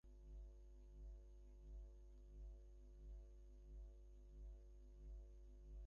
আশা করা যায়, সুপরিসর জায়গার অভাব দূর হওয়ায় পরিকল্পনাও অনেকাংশে সুবিবেচনাপ্রসূত হবে।